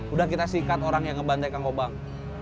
udah kita sikat orang yang ngebantai kangkobang